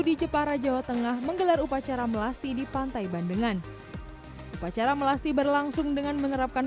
di jepara jawa tengah menggelar upacara melasti di pantai bandengan